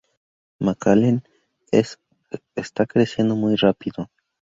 McAllen está creciendo muy rápido.